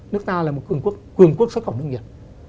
nước ta là một cường quốc xuất khẩu nông nghiệp